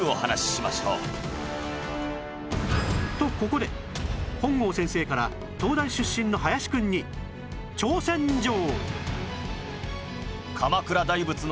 私の死後とここで本郷先生から東大出身の林くんに挑戦状